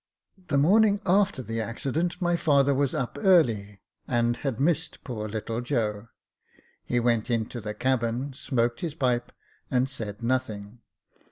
The morning after the accident, my father was up early, and had missed poor little Joe. He went into the cabin, smoked his pipe, and said nothing.